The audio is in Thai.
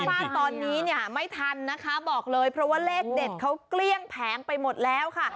ว่าตอนนี้เนี่ยไม่ทันนะคะบอกเลยเพราะว่าเลขเด็ดเขาเกลี้ยงแผงไปหมดแล้วค่ะ